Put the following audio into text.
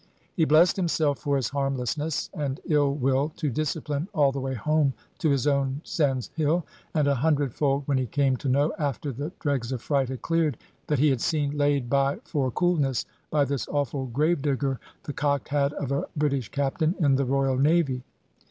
He blessed himself for his harmlessness, and ill will to discipline, all the way home to his own sandhill; and a hundredfold when he came to know (after the dregs of fright had cleared) that he had seen laid by for coolness, by this awful gravedigger, the cocked hat of a British Captain in the Royal Navy.